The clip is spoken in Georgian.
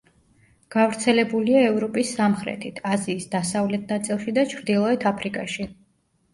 გავრცელებულია ევროპის სამხრეთით, აზიის დასავლეთ ნაწილში და ჩრდილოეთ აფრიკაში.